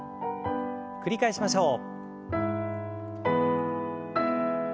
繰り返しましょう。